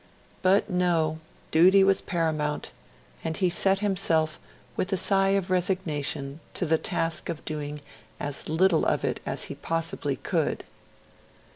But no; duty was paramount; and he set himself, with a sigh of resignation, to the task of doing as little of it as he possibly could.